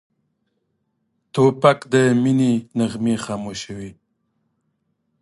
توپک د مینې نغمې خاموشوي.